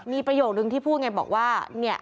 มีประโยคนึงที่พูดไงบอกว่าเนี่ย